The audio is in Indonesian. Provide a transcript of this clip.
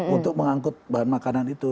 untuk mengangkut bahan makanan itu